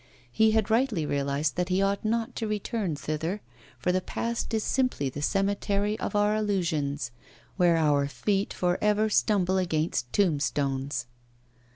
He had rightly realised that he ought not to return thither, for the past is simply the cemetery of our illusions, where our feet for ever stumble against tombstones!